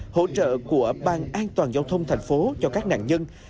hỗ trợ của ban an toàn giao thông thành phố cho các nạn nhân